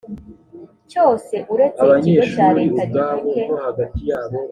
cyose uretse ikigo cya leta gifite